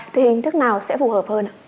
thì hình thức nào sẽ phù hợp hơn